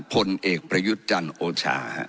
พลเอกประยุทธ์จันทร์โอชา